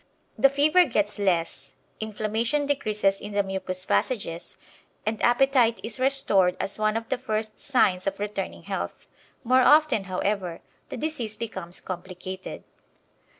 The fever gets less, inflammation decreases in the mucous passages, and appetite is restored as one of the first signs of returning health. More often, however, the disease becomes complicated.